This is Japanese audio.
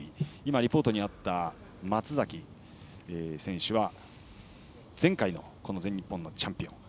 リポートにあった松崎選手は前回のこの全日本チャンピオン。